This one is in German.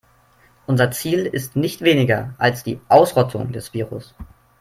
Unser Ziel ist nicht weniger als die Ausrottung des Virus.